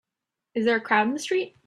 Is there a crowd in the street?